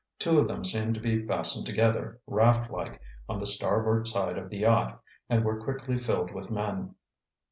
Two of them seemed to be fastened together, raft like, on the starboard side of the yacht, and were quickly filled with men.